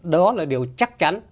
đó là điều chắc chắn